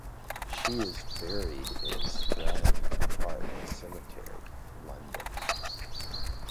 She is buried in Streatham Park Cemetery, London.